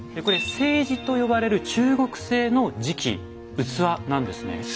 これ「青磁」と呼ばれる中国製の磁器器なんですね。